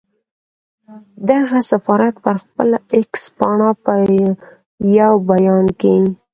دغه سفارت پر خپله اېکس پاڼه په یو بیان کې